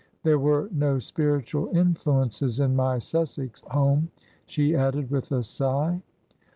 There were no spiritual influences in my Sussex home," she added, with a sigh.